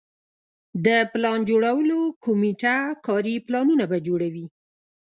د پلان جوړولو کمیټه کاري پلانونه به جوړوي.